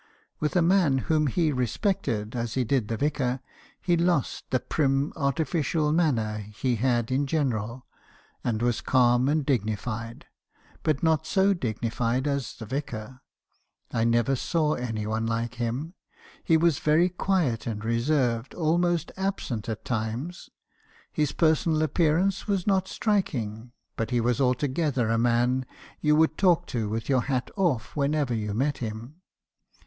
With a man whom he respected, as he did the vicar, he lost the prim artificial manner he had in general, and was calm and dignified; but not so dig nified as the vicar. I never saw any one like him. He was very quiet and reserved, almost absent at times; his personal ap pearance was not striking; but he was altogether a man you would talk to with your hat off wherever you met him.